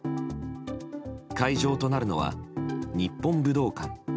会場となるのは日本武道館。